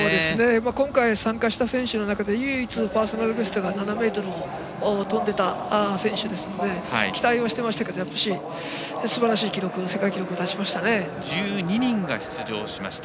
今回、参加した選手の中で唯一、パーソナルベストが７ｍを跳んでいた選手ですので期待をしていましたけど１２人が出場しました。